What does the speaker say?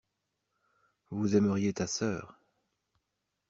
Vous aimeriez ta sœur.